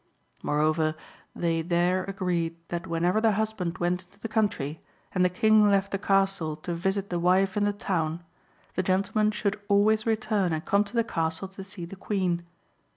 Moreover, they there agreed that whenever the husband went into the country, and the King left the castle to visit the wife in the town, the gentleman should always return and come to the castle to see the Queen.